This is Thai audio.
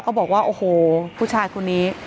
บอกว่าโอ้โหผู้ชายคนนี้